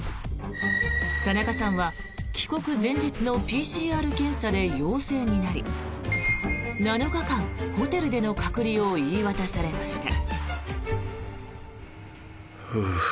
タナカさんは帰国前日のＰＣＲ検査で陽性になり７日間、ホテルでの隔離を言い渡されました。